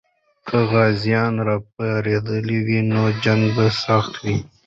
که غازیان راپارېدلي وي، نو جنګ به سخت وي.